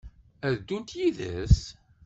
Ad ddunt yid-s?